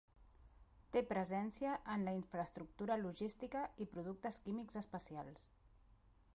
Té presència en la infraestructura logística i productes químics especials.